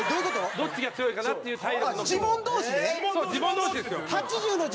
どっちが強いかなっていう時に。